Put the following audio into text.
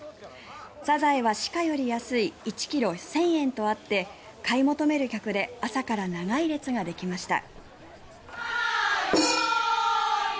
サザエは市価より安い１ｋｇ１０００円とあって買い求める客で朝から長い列ができました。